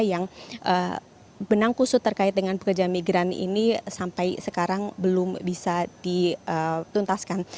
yang benang kusut terkait dengan pekerja migran ini sampai sekarang belum bisa dituntaskan